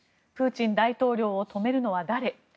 プーチン大統領を止めるのは誰？